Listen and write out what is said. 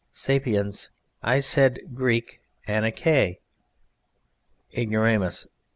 SAPIENS. I said [Greek: Anankae]. IGNORAMUS.